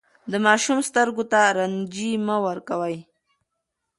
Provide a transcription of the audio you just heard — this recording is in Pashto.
د ماشوم سترګو ته رنجې مه ورکوئ.